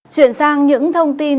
chuyển sang những thông tin